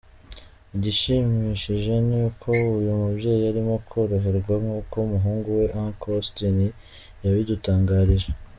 Igishimishije ni uko uyu mubyeyi arimo koroherwa nkuko umuhungu we Uncle Austin yabidutangarije.